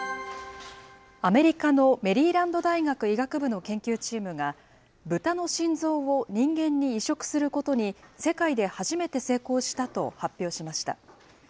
アメリカのメリーランド大学医学部の研究チームが、ブタの心臓を人間に移植することに、世界で初めて成功したと発表しました。